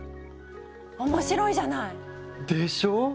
面白いじゃない！でしょう？